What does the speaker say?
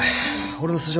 俺の素性